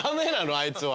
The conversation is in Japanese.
あいつは。